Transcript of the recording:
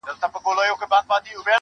موږه سپارلي دي د ښكلو ولېمو ته زړونه.